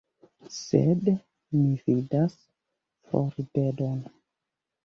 Sed mi vidas florbedon.